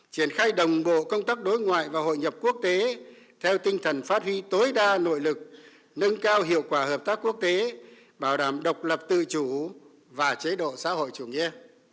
triển khai đồng bộ công tác đối ngoại và hội nhập quốc tế theo tinh thần phát huy tối đa nội lực nâng cao hiệu quả hợp tác quốc tế bảo đảm độc lập tự chủ và chế độ xã hội chủ nghĩa